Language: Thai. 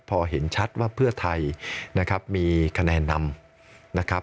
พอเห็นชัดว่าเพื่อไทยมีคะแนนนำ